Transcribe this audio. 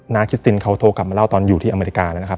คิสตินเขาโทรกลับมาเล่าตอนอยู่ที่อเมริกาแล้วนะครับ